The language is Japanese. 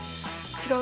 違う？